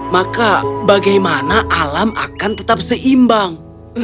maka bagaimana alam akan tetap seimbang